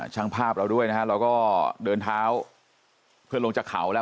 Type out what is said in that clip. ช่างภาพเราด้วยนะฮะเราก็เดินเท้าเพื่อลงจากเขาแล้ว